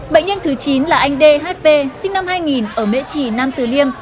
bệnh nhân thứ chín là anh d h p sinh năm hai nghìn ở mễ trì nam từ liêm